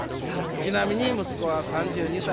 「ちなみに息子は３２歳。